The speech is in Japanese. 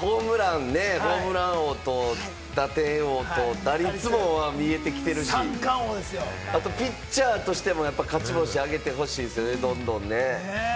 ホームランね、ホームラン王と打点王と、打率も見えてきてるし、あとピッチャーとしても勝ち星あげてほしいですよね、どんどんね。